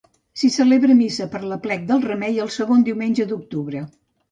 S'hi celebra missa per l'aplec del Remei, el segon diumenge d'octubre.